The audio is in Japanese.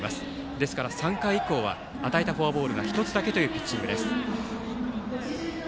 ですから３回以降は与えたフォアボールが１つだけというピッチング。